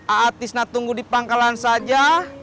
atisna tunggu di pangkalan saja